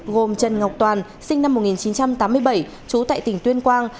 gồm trần ngọc toàn sinh năm một nghìn chín trăm tám mươi bảy trú tại tỉnh tuyên quang